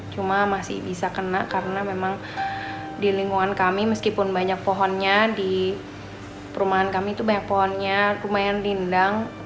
cuma masih bisa kena karena memang di lingkungan kami meskipun banyak pohonnya di perumahan kami itu banyak pohonnya lumayan rindang